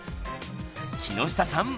木下さん